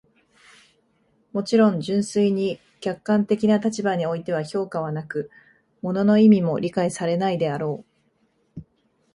もちろん、純粋に客観的な立場においては評価はなく、物の意味も理解されないであろう。